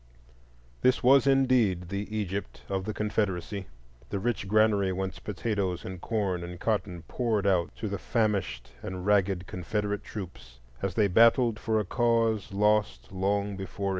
This was indeed the Egypt of the Confederacy,—the rich granary whence potatoes and corn and cotton poured out to the famished and ragged Confederate troops as they battled for a cause lost long before 1861.